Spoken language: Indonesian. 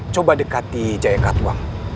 coba dekati jaya katuang